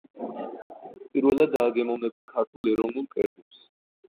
პირველად დააგემოვნებენ ქართულ ეროვნულ კერძებს.